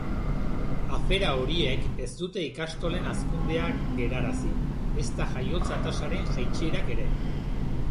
Afera horiek ez dute ikastolen hazkundea gerarazi, ezta jaiotza tasaren jaitsierak ere.